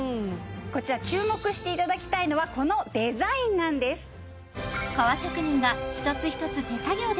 こちら注目していただきたいのはこのデザインなんです